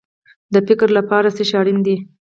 د فکر لپاره څه شی اړین دی؟